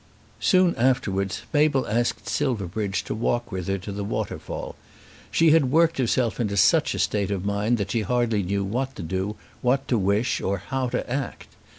Soon afterwards Mabel asked Silverbridge to walk with her to the waterfall. She had worked herself into such a state of mind that she hardly knew what to do, what to wish, or how to act.